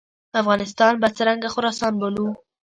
افغانستان به څرنګه خراسان بولو.